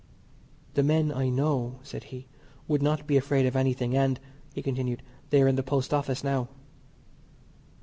"The men, I know," said he, "would not be afraid of anything, and," he continued, "they are in the Post Office now."